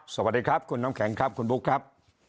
สวัสดีครับคุณน้ำแข็งครับคุณบุ๊คครับ